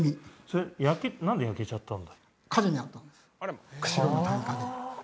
それ何で焼けちゃったんだろう？